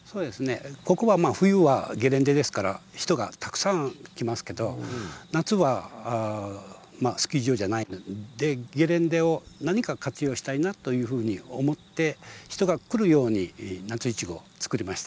ここは冬はゲレンデですから人がたくさん来ますけど夏はスキー場じゃない分ゲレンデを何か活用したいなというふうに思って人が来るように夏いちごを作りました。